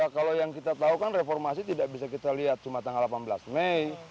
kalau yang kita tahu kan reformasi tidak bisa kita lihat cuma tanggal delapan belas mei